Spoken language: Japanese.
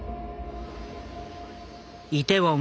イテウォン